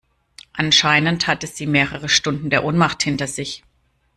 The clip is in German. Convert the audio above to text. Anscheinend hatte sie mehrere Stunden der Ohnmacht hinter sich.